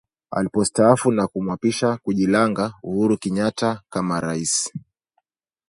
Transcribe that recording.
Alipostaafu na kumwapisha kijulanga Uhuru Kenyatta kama rais